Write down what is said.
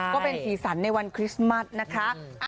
ก็เป็นสีสันในวันคริสต์มัสนะคะ